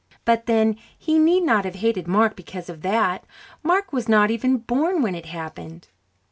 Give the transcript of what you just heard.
But then, he need not have hated Mark because of that; Mark was not even born when it happened.